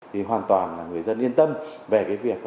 thì hoàn toàn là người dân yên tâm về cái việc